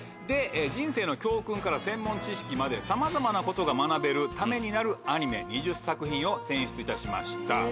人生の教訓から専門知識までさまざまなことが学べるためになるアニメ２０作品を選出いたしました。